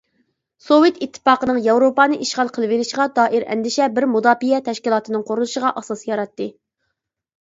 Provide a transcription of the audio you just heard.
سوۋېت ئىتتىپاقىنىڭ ياۋروپانى ئىشغال قىلىۋېلىشىغا دائىر ئەندىشە بىر مۇداپىئە تەشكىلاتىنىڭ قۇرۇلۇشىغا ئاساس ياراتتى.